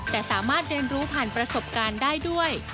แต่สามารถเรียนรู้ผ่านประสบการณ์ได้ด้วย